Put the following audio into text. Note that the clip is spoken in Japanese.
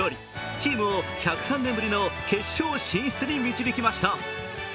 チームを１０３年ぶりの決勝進出に導きました。